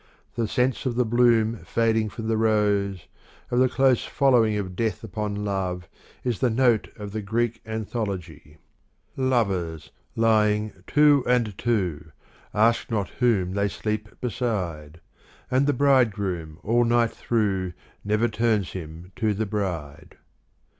The sense of the bloom fading from the rose, of the close following of Death upon Love is the note of the Greek An thology: Lovers lying two and two Ask not whom they sleep beside, And the bridegroom all night through Never turns him to the bride.